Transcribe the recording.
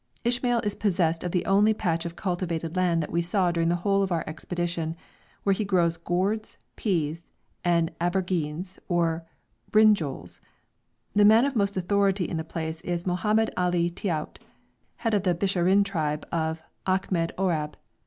Ismael is possessed of the only patch of cultivated land that we saw during the whole of our expedition, where he grows gourds, peas, and aubergines or brinjols. The man of most authority in the place is Mohammed Ali Tiout, head of the Bisharin tribe of Achmed Orab.